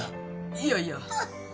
いやいや。